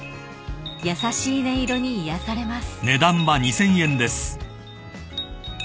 ［優しい音色に癒やされます］